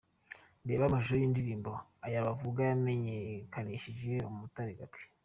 Reba amashusho y'indirimbo ' Ayo bavuga' yamenyekanishije Umutare Gabby.